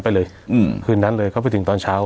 ไปเลยอืมคืนนั้นเลยเข้าไปถึงตอนเช้า